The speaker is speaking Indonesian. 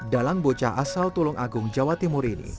dalang bocah asal tulung agung jawa timur ini